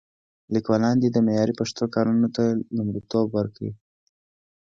لیکوالان دې د معیاري پښتو کارونو ته لومړیتوب ورکړي.